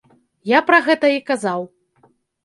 Я пра гэта і казаў.